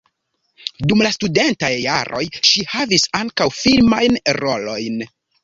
Dum la studentaj jaroj ŝi havis ankaŭ filmajn rolojn.